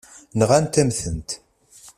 Nɣant-am-tent.